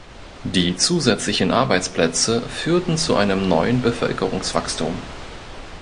Die zusätzlichen Arbeitsplätze führten zu einem neuen Bevölkerungswachstum.